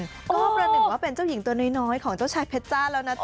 ก็ประหนึ่งว่าเป็นเจ้าหญิงตัวน้อยของเจ้าชายเพชรจ้าแล้วนะจ๊